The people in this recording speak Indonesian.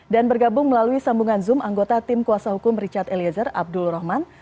dan bergabung melalui sambungan zoom anggota tim kuasa hukum richard eliezer abdul rahman